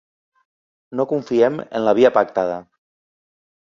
No confiem en la via pactada.